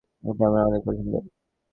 এটা আমার অনেক পছন্দের।